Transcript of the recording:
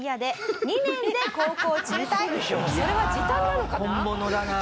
それは時短なのかな？